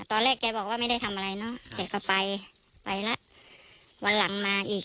ตอนแรกแกบอกว่าไม่ได้ทำอะไรเนอะแกก็ไปไปแล้ววันหลังมาอีก